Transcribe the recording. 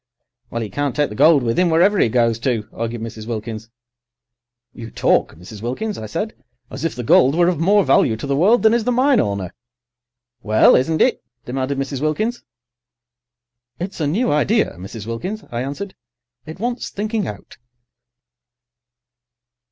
"Well, 'e can't take the gold with him, wherever 'e goes to?" argued Mrs. Wilkins. "You talk, Mrs. Wilkins," I said, "as if the gold were of more value to the world than is the mine owner." "Well, isn't it?" demanded Mrs. Wilkins. "It's a new idea, Mrs. Wilkins," I answered; "it wants thinking out."